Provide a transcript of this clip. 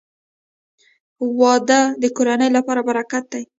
• واده د کورنۍ لپاره برکت دی.